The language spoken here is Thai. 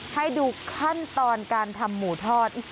ให้ดูขั้นตอนการทำหมูทอด